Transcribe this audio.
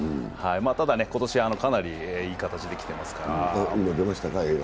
ただ、今年はかなりいい形できてますから。